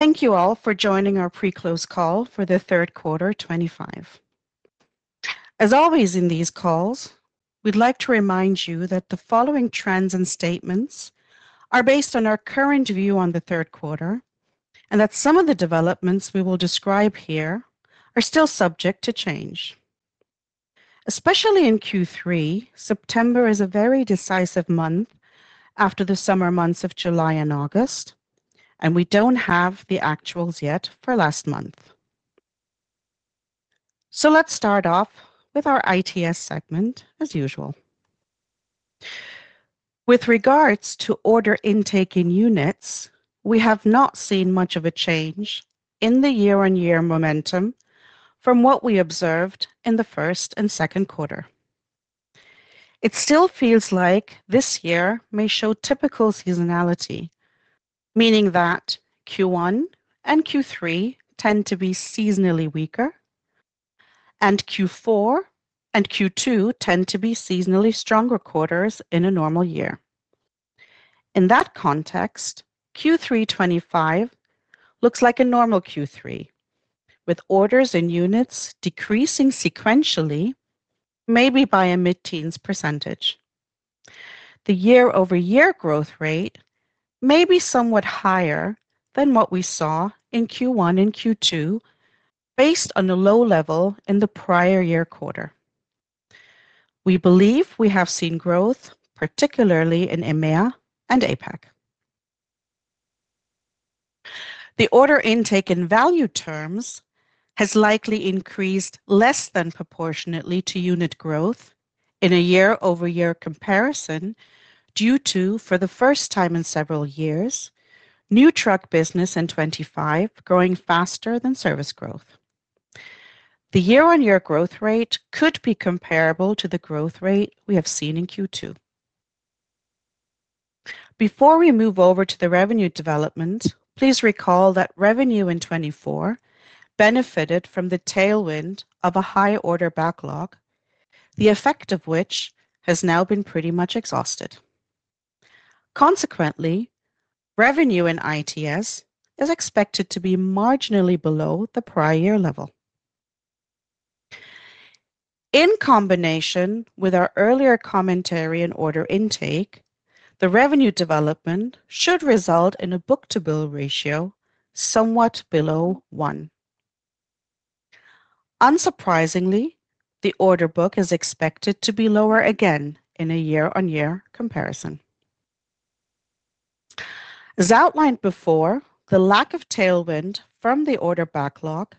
Thank you all for joining our pre-close call for the third quarter, 2025. As always in these calls, we'd like to remind you that the following trends and statements are based on our current view on the third quarter and that some of the developments we will describe here are still subject to change. Especially in Q3, September is a very decisive month after the summer months of July and August, and we don't have the actuals yet for last month. Let's start off with our ITS segment, as usual. With regards to order intake in units, we have not seen much of a change in the year-on-year momentum from what we observed in the first and second quarter. It still feels like this year may show typical seasonality, meaning that Q1 and Q3 tend to be seasonally weaker, and Q4 and Q2 tend to be seasonally stronger quarters in a normal year. In that context, Q3 2025 looks like a normal Q3, with orders in units decreasing sequentially, maybe by a mid-teens percentage. The year-over-year growth rate may be somewhat higher than what we saw in Q1 and Q2 based on the low level in the prior year quarter. We believe we have seen growth, particularly in EMEA and APAC. The order intake in value terms has likely increased less than proportionately to unit growth in a year-over-year comparison due to, for the first time in several years, new truck business in 2025 growing faster than service growth. The year-on-year growth rate could be comparable to the growth rate we have seen in Q2. Before we move over to the revenue developments, please recall that revenue in 2024 benefited from the tailwind of a high order backlog, the effect of which has now been pretty much exhausted. Consequently, revenue in ITS is expected to be marginally below the prior year level. In combination with our earlier commentary in order intake, the revenue development should result in a book-to-bill ratio somewhat below one. Unsurprisingly, the order book is expected to be lower again in a year-on-year comparison. As outlined before, the lack of tailwind from the order backlog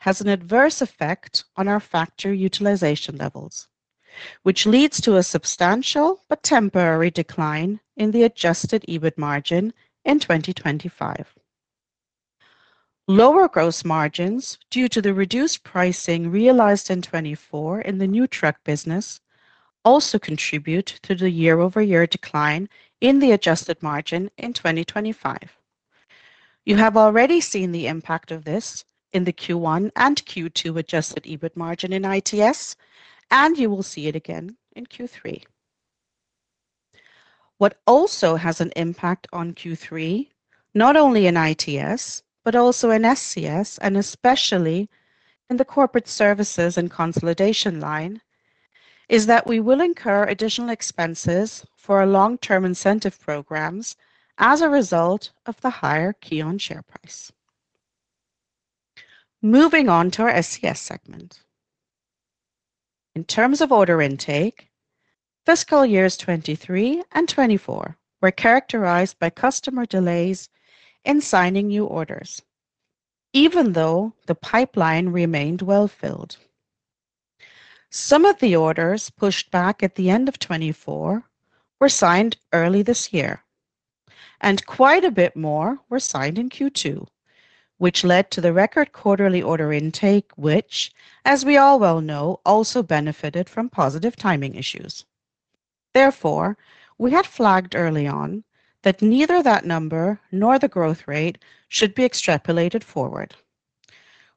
has an adverse effect on our factory utilization levels, which leads to a substantial but temporary decline in the adjusted EBIT margin in 2025. Lower gross margins due to the reduced pricing realized in 2024 in the new truck business also contribute to the year-over-year decline in the adjusted margin in 2025. You have already seen the impact of this in the Q1 and Q2 adjusted EBIT margin in ITS, and you will see it again in Q3. What also has an impact on Q3, not only in ITS but also in SCS and especially in the Corporate Services and Consolidation line, is that we will incur additional expenses for our long-term incentive programs as a result of the higher KION share price. Moving on to our SCS segment. In terms of order intake, fiscal years 2023 and 2024 were characterized by customer delays in signing new orders, even though the pipeline remained well-filled. Some of the orders pushed back at the end of 2024 were signed early this year, and quite a bit more were signed in Q2, which led to the record quarterly order intake, which, as we all well know, also benefited from positive timing issues. Therefore, we had flagged early on that neither that number nor the growth rate should be extrapolated forward.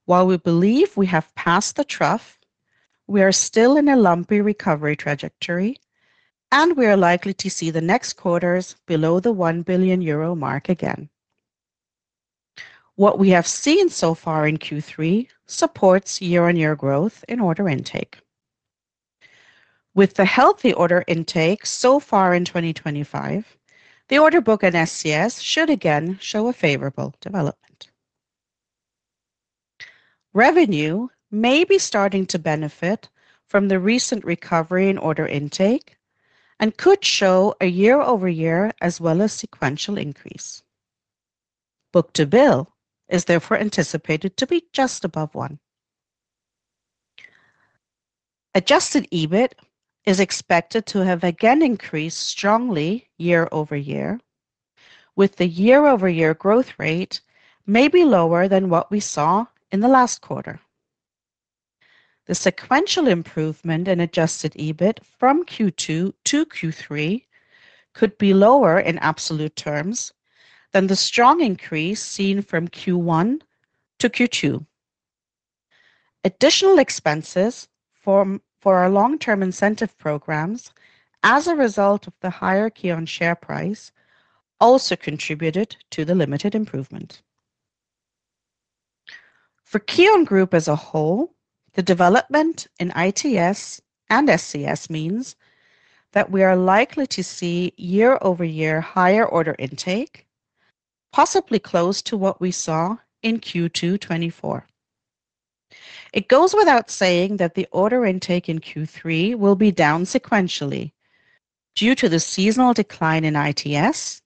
While we believe we have passed the trough, we are still in a lumpy recovery trajectory, and we are likely to see the next quarters below the 1 billion euro mark again. What we have seen so far in Q3 supports year-on-year growth in order intake. With the healthy order intake so far in 2025, the order book in SCS should again show a favorable development. Revenue may be starting to benefit from the recent recovery in order intake and could show a year-over-year as well as sequential increase. Book-to-bill is therefore anticipated to be just above one. Adjusted EBIT is expected to have again increased strongly year-over-year, with the year-over-year growth rate maybe lower than what we saw in the last quarter. The sequential improvement in adjusted EBIT from Q2 to Q3 could be lower in absolute terms than the strong increase seen from Q1 to Q2. Additional expenses for our long-term incentive programs as a result of the higher KION share price also contributed to the limited improvement. For KION Group as a whole, the development in ITS and SCS means that we are likely to see year-over-year higher order intake, possibly close to what we saw in Q2 2024. It goes without saying that the order intake in Q3 will be down sequentially due to the seasonal decline in ITS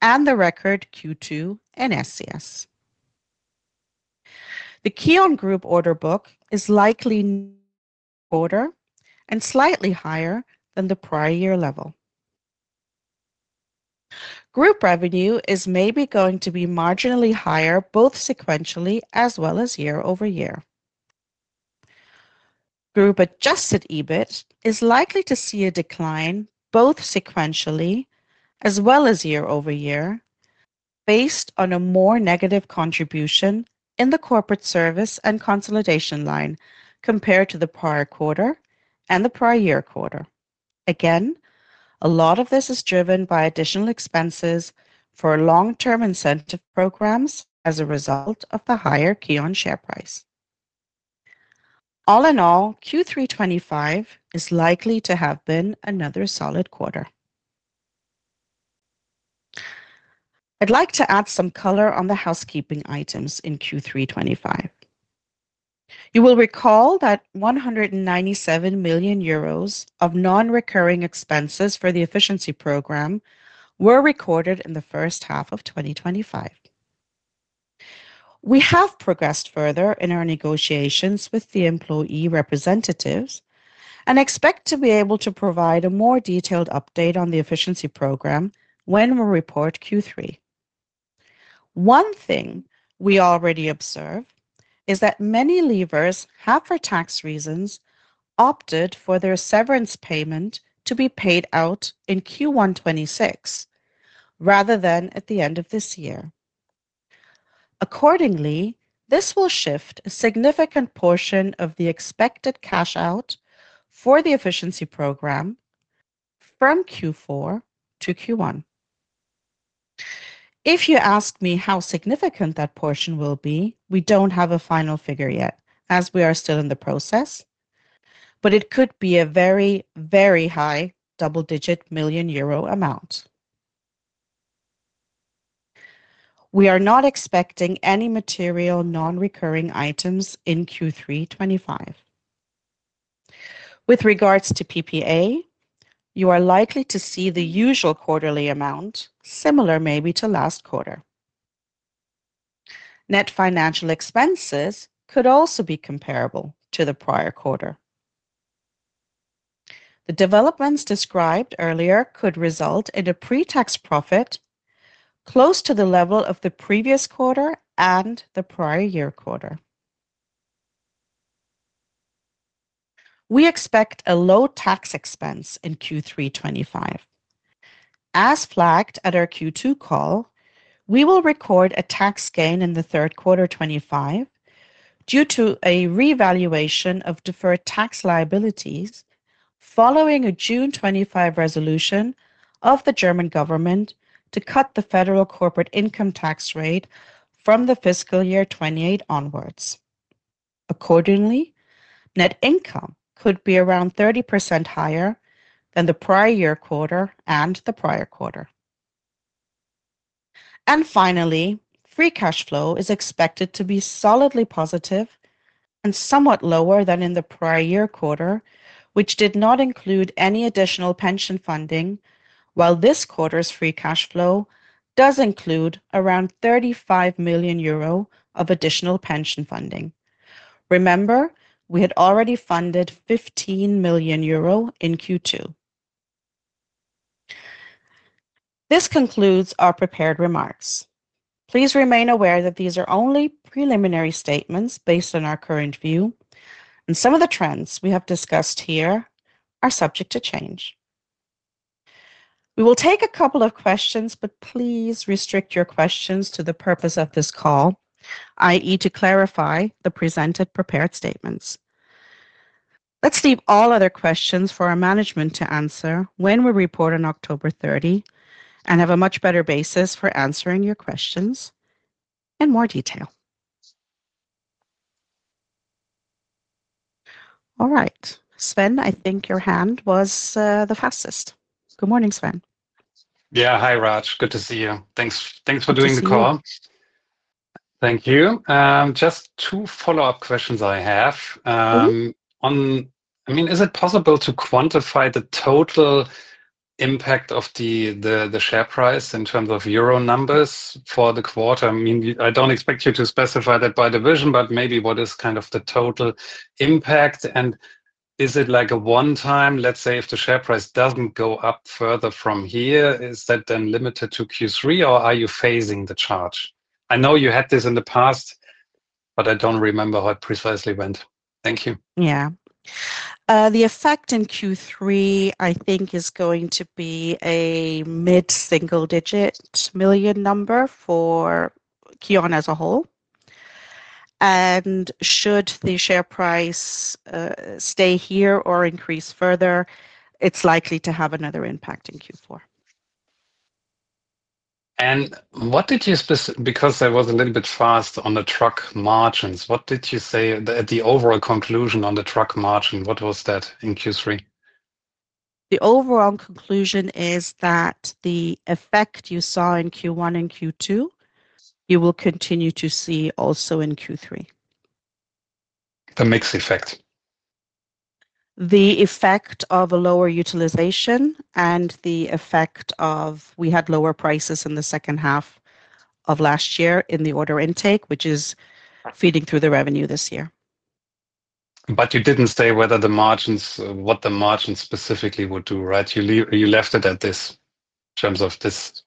and the record Q2 in SCS. The KION Group order book is likely in order and slightly higher than the prior year level. Group revenue is maybe going to be marginally higher both sequentially as well as year-over-year. Group adjusted EBIT is likely to see a decline both sequentially as well as year-over-year based on a more negative contribution in the corporate service and consolidation line compared to the prior quarter and the prior year quarter. Again, a lot of this is driven by additional expenses for long-term incentive programs as a result of the higher KION share price. All in all, Q3 2025 is likely to have been another solid quarter. I'd like to add some color on the housekeeping items in Q3 2025. You will recall that 197 million euros of non-recurring expenses for the efficiency program were recorded in the first half of 2025. We have progressed further in our negotiations with the employee representatives and expect to be able to provide a more detailed update on the efficiency program when we report Q3. One thing we already observed is that many leavers have, for tax reasons, opted for their severance payment to be paid out in Q1 2026 rather than at the end of this year. Accordingly, this will shift a significant portion of the expected cash out for the efficiency program from Q4 to Q1. If you ask me how significant that portion will be, we don't have a final figure yet as we are still in the process, but it could be a very, very high double-digit million euro amount. We are not expecting any material non-recurring items in Q3 2025. With regards to PPA, you are likely to see the usual quarterly amount, similar maybe to last quarter. Net financial expenses could also be comparable to the prior quarter. The developments described earlier could result in a pre-tax profit close to the level of the previous quarter and the prior year quarter. We expect a low tax expense in Q3 2025. As flagged at our Q2 call, we will record a tax gain in the third quarter 2025 due to a reevaluation of deferred tax liabilities following a June 2025 resolution of the German government to cut the federal corporate income tax rate from the fiscal year 2028 onwards. Accordingly, net income could be around 30% higher than the prior year quarter and the prior quarter. Finally, free cash flow is expected to be solidly positive and somewhat lower than in the prior year quarter, which did not include any additional pension funding, while this quarter's free cash flow does include around 35 million euro of additional pension funding. Remember, we had already funded 15 million euro in Q2. This concludes our prepared remarks. Please remain aware that these are only preliminary statements based on our current view, and some of the trends we have discussed here are subject to change. We will take a couple of questions, but please restrict your questions to the purpose of this call, i.e., to clarify the presented prepared statements. Let's leave all other questions for our management to answer when we report on October 30 and have a much better basis for answering your questions in more detail. All right. Sven, I think your hand was the fastest. Good morning, Sven. Yeah. Hi, Raj. Good to see you. Thanks. Thanks for doing the call. Welcome, Raj. Thank you. Just two follow-up questions I have. Go ahead. Is it possible to quantify the total impact of the share price in terms of euro numbers for the quarter? I don't expect you to specify that by division, but maybe what is the total impact? Is it like a one-time, let's say, if the share price doesn't go up further from here, is that then limited to Q3, or are you phasing the charge? I know you had this in the past, but I don't remember how it precisely went. Thank you. Yeah. The effect in Q3, I think, is going to be a mid-single-digit million number for KION as a whole. Should the share price stay here or increase further, it's likely to have another impact in Q4. What did you specifically, because I was a little bit fast on the truck margins, what did you say that the overall conclusion on the truck margin was in Q3? The overall conclusion is that the effect you saw in Q1 and Q2, you will continue to see also in Q3. The mixed effect. The effect of a lower utilization and the effect of we had lower prices in the second half of last year in the order intake, which is feeding through the revenue this year. You didn't say whether the margins, what the margins specifically would do, right? You left it at this in terms of this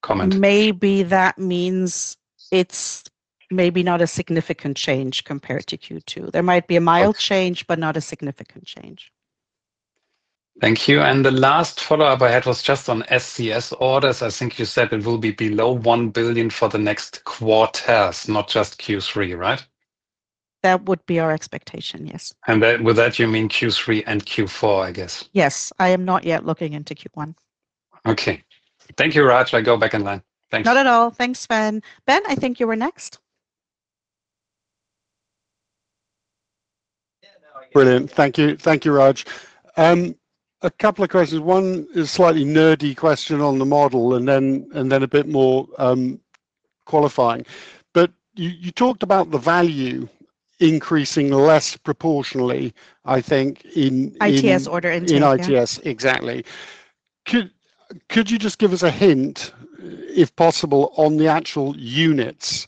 comment. Maybe that means it's maybe not a significant change compared to Q2. There might be a mild change, but not a significant change. Thank you. The last follow-up I had was just on SCS orders. I think you said it will be below 1 billion for the next quarters, not just Q3, right? That would be our expectation, yes. You mean Q3 and Q4, I guess? Yes, I am not yet looking into Q1. Okay, thank you, Raj. I'll go back in line. Thanks. Not at all. Thanks, Sven. Ben, I think you were next. Brilliant. Thank you. Thank you, Raj. A couple of questions. One is a slightly nerdy question on the model and then a bit more qualifying. You talked about the value increasing less proportionally, I think, in. ITS order intake. In ITS, exactly. Could you just give us a hint, if possible, on the actual units?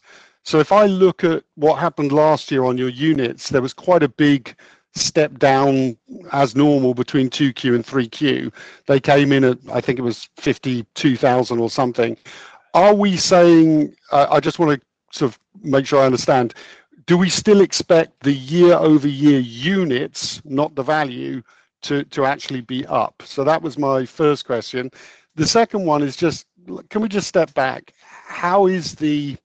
If I look at what happened last year on your units, there was quite a big step down as normal between 2Q and 3Q. They came in at, I think it was 52,000 or something. Are we saying, I just want to make sure I understand, do we still expect the year-over-year units, not the value, to actually be up? That was my first question. The second one is, can we just step back? How is the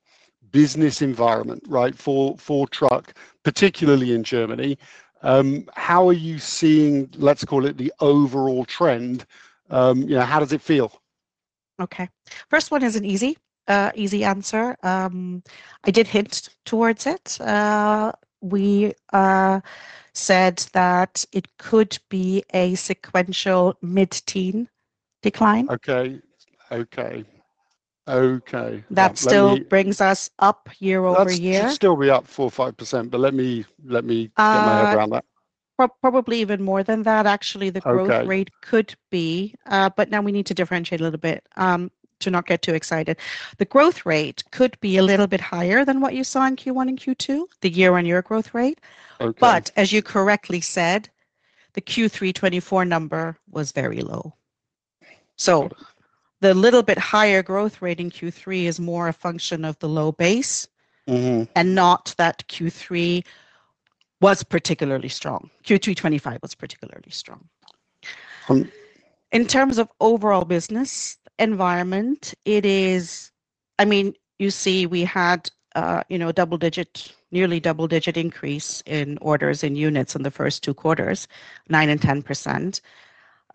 business environment for truck, particularly in Germany? How are you seeing, let's call it the overall trend? How does it feel? Okay. First one is an easy answer. I did hint towards it. We said that it could be a sequential mid-teen decline. Okay. Okay. Okay. That still brings us up year-over-year. It could still be up 4% or 5%, let me get my head around that. Probably even more than that, actually. The growth rate could be, but now we need to differentiate a little bit to not get too excited. The growth rate could be a little bit higher than what you saw in Q1 and Q2, the year-on-year growth rate. As you correctly said, the Q3 2024 number was very low. The little bit higher growth rate in Q3 is more a function of the low base and not that Q3 was particularly strong. Q3 2025 was particularly strong. In terms of overall business environment, it is, I mean, you see, we had a nearly double-digit increase in orders in units in the first two quarters, 9% and 10%.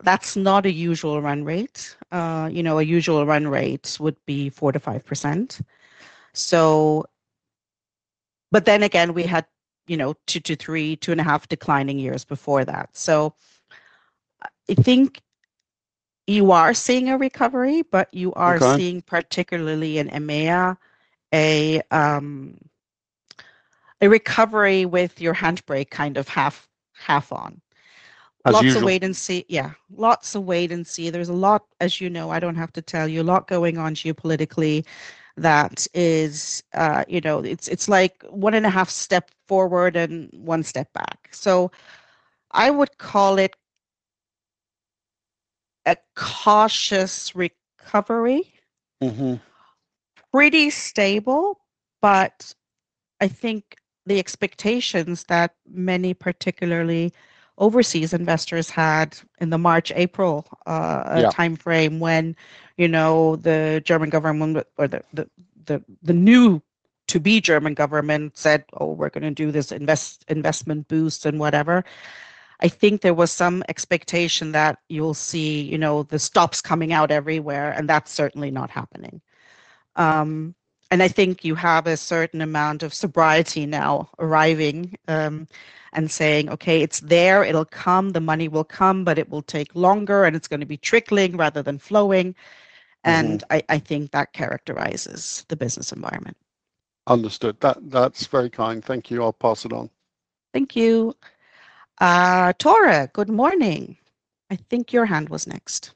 That's not a usual run rate. A usual run rate would be 4%-5%. We had two to three, two and a half declining years before that. I think you are seeing a recovery, but you are seeing particularly in EMEA a recovery with your hand's brake kind of half on. As you know. Lots of wait and see. Yeah. Lots of wait and see. There's a lot, as you know, I don't have to tell you, a lot going on geopolitically that is, you know, it's like one and a half steps forward and one step back. I would call it a cautious recovery, pretty stable, but I think the expectations that many, particularly overseas investors, had in the March-April timeframe when, you know, the German government or the new-to-be German government said, "Oh, we're going to do this investment boost and whatever." I think there was some expectation that you'll see, you know, the stops coming out everywhere, and that's certainly not happening. I think you have a certain amount of sobriety now arriving and saying, "Okay, it's there. It'll come. The money will come, but it will take longer, and it's going to be trickling rather than flowing." I think that characterizes the business environment. Understood. That's very kind. Thank you. I'll pass it on. Thank you. Tora, good morning. I think your hand was next.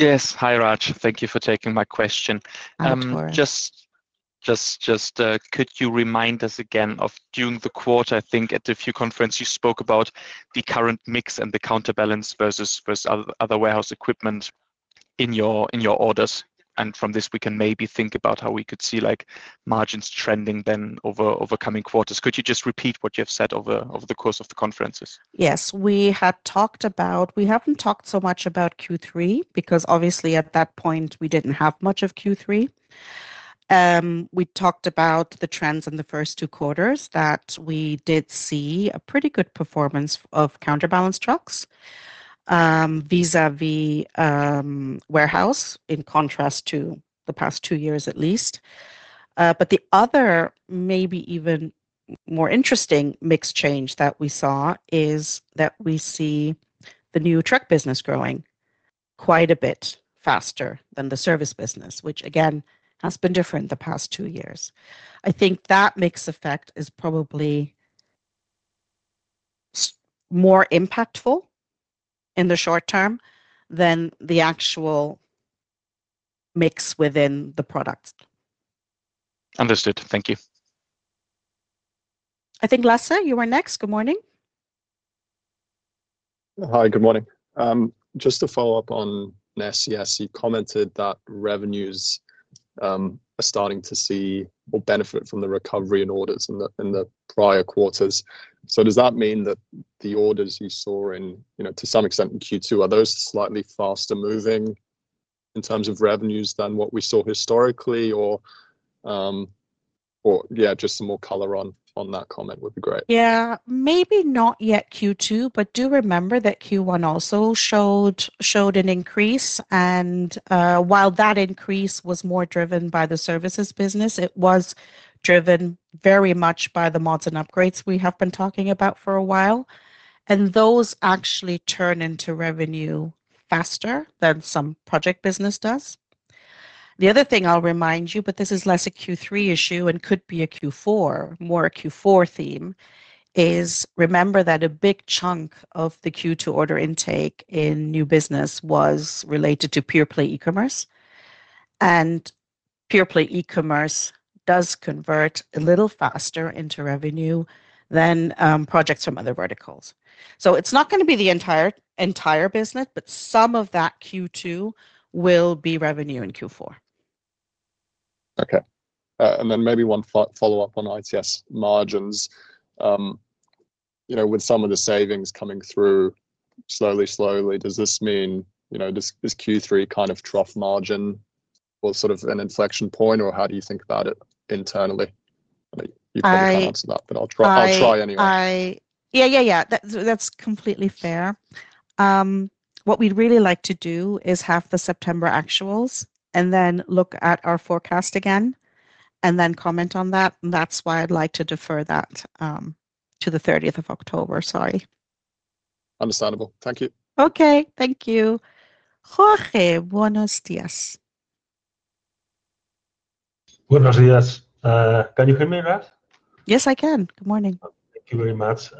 Yes. Hi, Raj. Thank you for taking my question. No worries. Could you remind us again of during the quarter, I think at the few conferences you spoke about the current mix and the counterbalance versus other warehouse equipment in your orders? From this, we can maybe think about how we could see margins trending then over coming quarters. Could you just repeat what you've said over the course of the conferences? Yes. We had talked about, we haven't talked so much about Q3 because obviously at that point, we didn't have much of Q3. We talked about the trends in the first two quarters that we did see a pretty good performance of counterbalance trucks vis-à-vis warehouse in contrast to the past two years at least. The other maybe even more interesting mixed change that we saw is that we see the new truck business growing quite a bit faster than the service business, which again has been different the past two years. I think that mixed effect is probably more impactful in the short term than the actual mix within the product. Understood. Thank you. I think Lasse, you were next. Good morning. Hi. Good morning. Just to follow up on Ness, yes, you commented that revenues are starting to see or benefit from the recovery in orders in the prior quarters. Does that mean that the orders you saw in, you know, to some extent in Q2, are those slightly faster moving in terms of revenues than what we saw historically? Just some more color on that comment would be great. Maybe not yet Q2, but do remember that Q1 also showed an increase. While that increase was more driven by the services business, it was driven very much by the mods and upgrades we have been talking about for a while. Those actually turn into revenue faster than some project business does. The other thing I'll remind you, but this is less a Q3 issue and could be more a Q4 theme, is remember that a big chunk of the Q2 order intake in new business was related to pure play e-commerce. Pure play e-commerce does convert a little faster into revenue than projects from other verticals. It's not going to be the entire business, but some of that Q2 will be revenue in Q4. Okay. Maybe one follow-up on ITS margins. With some of the savings coming through slowly, slowly, does this mean this Q3 kind of trough margin or sort of an inflection point, or how do you think about it internally? You can't answer that, but I'll try anyway. That's completely fair. What we'd really like to do is have the September actuals and then look at our forecast again and then comment on that. That's why I'd like to defer that to the 30th of October, sorry. Understandable. Thank you. Okay. Thank you. Jorge, buenos días. Buenos días. Can you hear me, Raj? Yes, I can. Good morning. Thank you very much.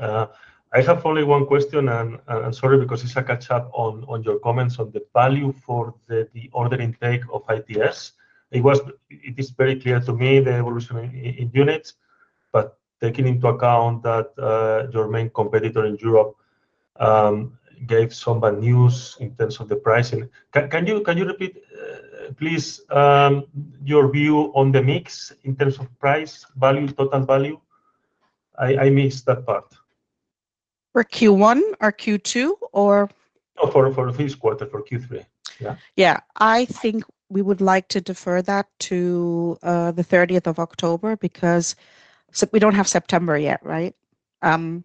I have only one question, and I'm sorry because it's a catch-up on your comments on the value for the order intake of ITS. It was very clear to me the evolution in units, but taking into account that your main competitor in Europe gave some bad news in terms of the pricing, can you repeat, please, your view on the mix in terms of price, value, total value? I missed that part. For Q1 or Q2? For this quarter, for Q3, yeah. I think we would like to defer that to the 30th of October because we don't have September yet, right? Correct.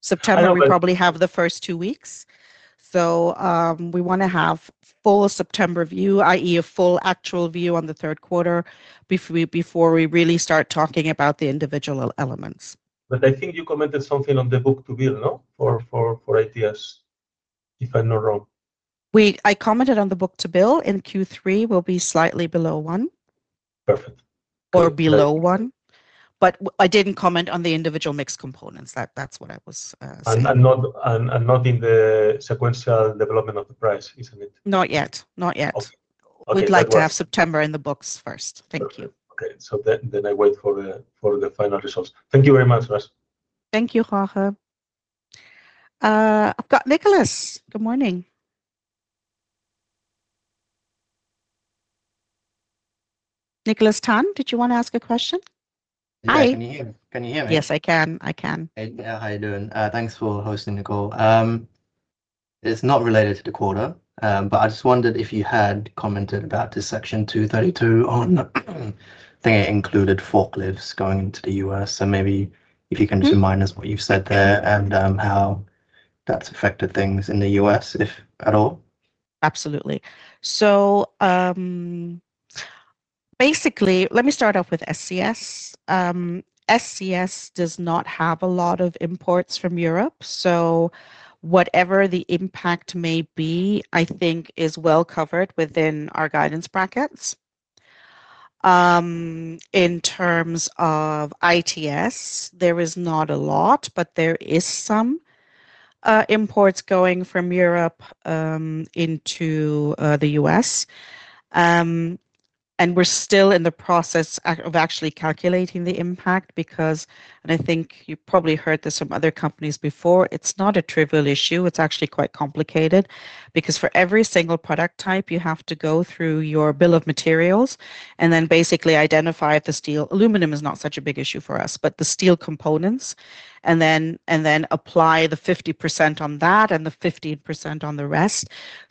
September, we probably have the first two weeks. We want to have a full September view, i.e., a full actual view on the third quarter before we really start talking about the individual elements. I think you commented something on the book-to-bill, no? For ITS, if I'm not wrong. I commented on the book-to-bill in Q3 will be slightly below one or below one. I didn't comment on the individual mix components. That's what I was saying. Not in the sequential development of the price, isn't it? Not yet. Not yet. Okay. We'd like to have September in the books first. Thank you. Okay. I wait for the final results. Thank you very much, Raj. Thank you, Jorge. I've got Nicholas. Good morning. Nicholas Tan, did you want to ask a question? Hi, can you hear me? Yes, I can. I can. Yeah, how are you doing? Thanks for hosting the call. It's not related to the quarter, but I just wondered if you had commented about this Section 232 tariffs on the thing I included, forklifts going to the U.S. If you can just remind us what you've said there and how that's affected things in the U.S., if at all. Absolutely. Basically, let me start off with SCS. SCS does not have a lot of imports from Europe. Whatever the impact may be, I think, is well covered within our guidance brackets. In terms of ITS, there is not a lot, but there are some imports going from Europe into the U.S. We're still in the process of actually calculating the impact because, and I think you probably heard this from other companies before, it's not a trivial issue. It's actually quite complicated because for every single product type, you have to go through your bill of materials and then basically identify if the steel aluminum is not such a big issue for us, but the steel components, and then apply the 50% on that and the 15% on the rest.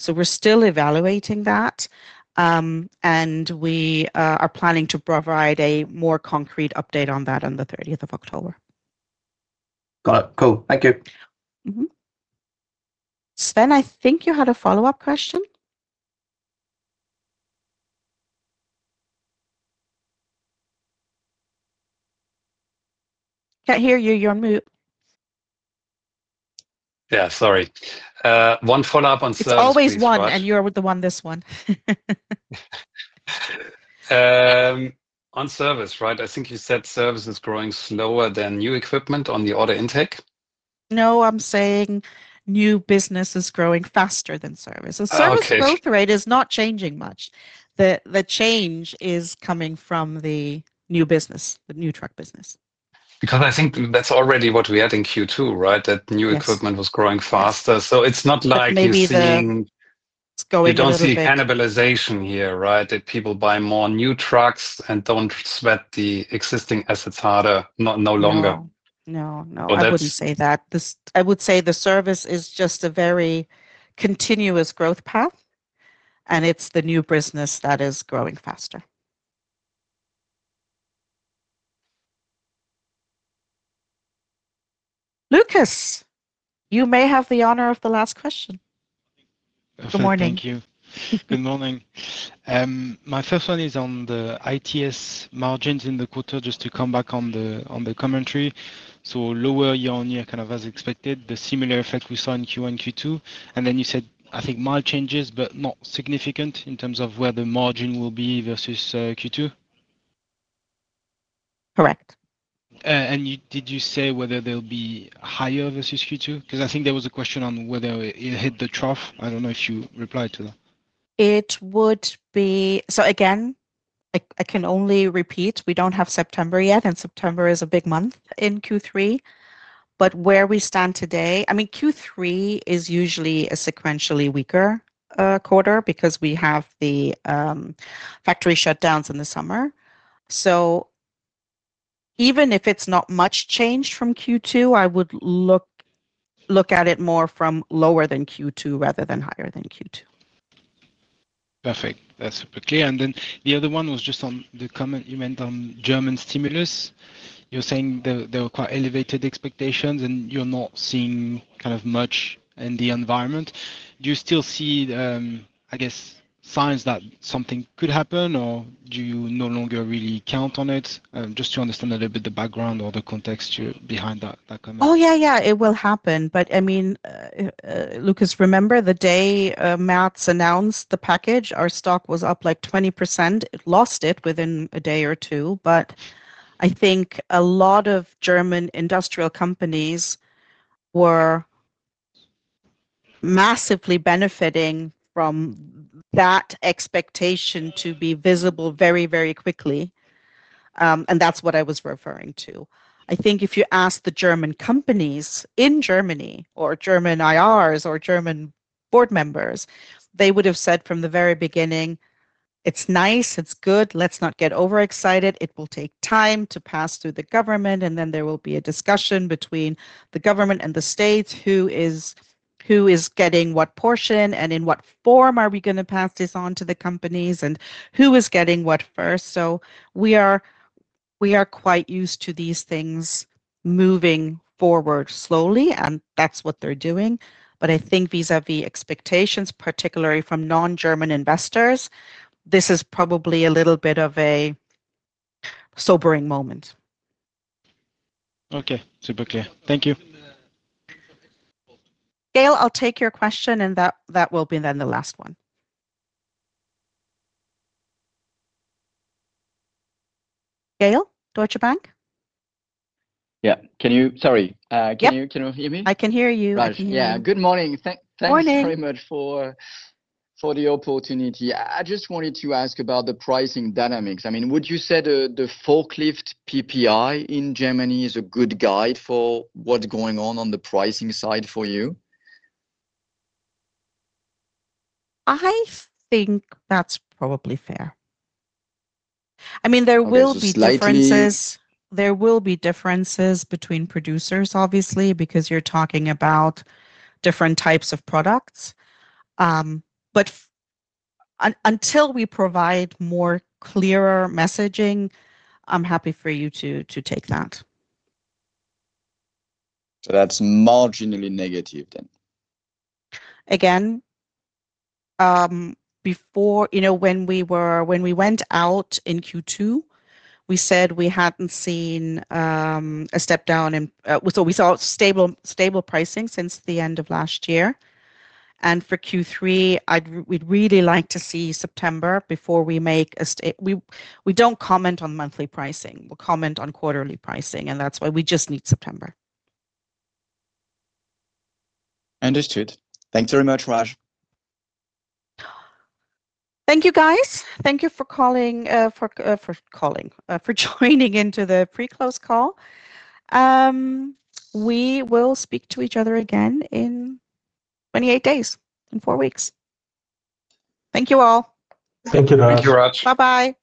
We're still evaluating that. We are planning to provide a more concrete update on that on the 30th of October. Got it. Cool. Thank you. Sven, I think you had a follow-up question. I can't hear you. You're mute. Sorry. One follow-up on service. It's always one, and you're the one this one. On service, right? I think you said service is growing slower than new equipment on the order intake. No, I'm saying new business is growing faster than service. Oh, okay. Service growth rate is not changing much. The change is coming from the new business, the new truck business. Because I think that's already what we had in Q2, right? That new equipment was growing faster. It's not like you're seeing. Maybe going into Q3. There's a cannibalization here, right? That people buy more new trucks and don't sweat the existing assets harder, no longer. No, no. I wouldn't say that. I would say the service is just a very continuous growth path, and it's the new business that is growing faster. Lucas, you may have the honor of the last question. Good morning. Thank you. Good morning. My first one is on the ITS margins in the quarter, just to come back on the commentary. Lower year-on-year, kind of as expected, the similar effect we saw in Q1 and Q2. You said, I think, mild changes, but not significant in terms of where the margin will be versus Q2. Correct. Did you say whether they'll be higher versus Q2? I think there was a question on whether it hit the trough. I don't know if you replied to that. Again, I can only repeat, we don't have September yet, and September is a big month in Q3. Where we stand today, Q3 is usually a sequentially weaker quarter because we have the factory shutdowns in the summer. Even if it's not much change from Q2, I would look at it more from lower than Q2 rather than higher than Q2. Perfect. That's super clear. The other one was just on the comment you meant on German stimulus. You're saying there are quite elevated expectations, and you're not seeing kind of much in the environment. Do you still see, I guess, signs that something could happen, or do you no longer really count on it? Just to understand a little bit the background or the context behind that comment. Oh, yeah, yeah. It will happen. I mean, Lucas, remember the day Maersk announced the package, our stock was up like 20%. It lost it within a day or two. I think a lot of German industrial companies were massively benefiting from that expectation to be visible very, very quickly. That is what I was referring to. I think if you ask the German companies in Germany or German IRs or German board members, they would have said from the very beginning, "It's nice. It's good. Let's not get overexcited. It will take time to pass through the government, and then there will be a discussion between the government and the states who is getting what portion and in what form are we going to pass this on to the companies and who is getting what first." We are quite used to these things moving forward slowly, and that is what they're doing. I think vis-à-vis expectations, particularly from non-German investors, this is probably a little bit of a sobering moment. Okay. Super clear. Thank you. Gail, I'll take your question, and that will be then the last one. Gail, Deutsche Bank? Yeah, can you, sorry. Yeah. Can you hear me? I can hear you. Right. Yeah, good morning. Morning. Thanks very much for the opportunity. I just wanted to ask about the pricing dynamics. I mean, would you say the forklift PPI in Germany is a good guide for what's going on on the pricing side for you? I think that's probably fair. I mean, there will be differences. That's a good point. There will be differences between producers, obviously, because you're talking about different types of products. Until we provide clearer messaging, I'm happy for you to take that. That’s marginally negative then. Before, when we went out in Q2, we said we hadn't seen a step down, so we thought stable pricing since the end of last year. For Q3, we'd really like to see September before we make a comment. We don't comment on monthly pricing. We'll comment on quarterly pricing, and that's why we just need September. Understood. Thanks very much, Raj. Thank you, guys. Thank you for calling, for joining into the pre-close call. We will speak to each other again in 28 days, in four weeks. Thank you all. Thank you, guys. Thank you, Raj. Bye-bye. Bye.